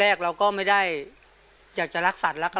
แรกเราก็ไม่ได้อยากจะรักสัตว์รักอะไรแล้วเนอะ